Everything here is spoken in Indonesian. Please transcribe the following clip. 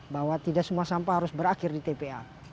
bahwa tidak semua sampah harus berakhir di tpa